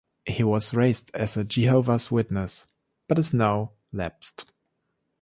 He was raised as a Jehovah's Witness, but is now lapsed.